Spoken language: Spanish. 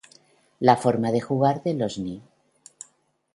La forma de jugar de los ni